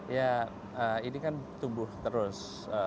ya ini kan tumbuh terus